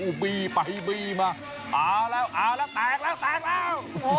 อุปีไปอุปีมาอ่าแล้วอ่าแล้วแตกแล้วแตกแล้ว